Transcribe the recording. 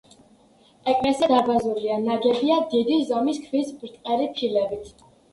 ეკლესია დარბაზულია, ნაგებია დიდი ზომის ქვის ბრტყელი ფილებით.